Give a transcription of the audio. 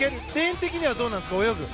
泳ぎはどうなんですか？